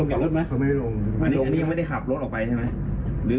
เขาไม่ลงอันนี้ไม่ได้ขับรถออกไปใช่ไหม